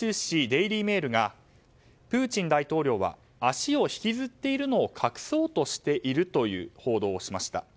デイリー・メールがプーチン大統領は足を引きずっているのを隠そうとしているという報道をしました。